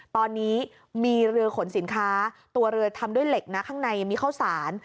ตอนนี้มีเรือขนสินค้าตัวเรือทำด้วยเหล็กนะข้างในมีข้าวสาร